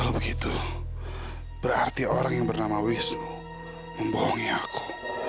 berarti orang yang bernama wisnu membohongi aku